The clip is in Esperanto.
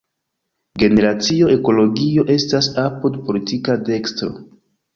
Generacio Ekologio estas apud politika dekstro.